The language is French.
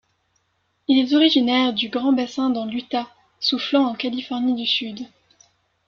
Il est originaire du Grand Bassin dans l'Utah, soufflant en Californie du Sud.